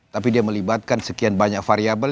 tapi dia melibatkan sekian banyak variable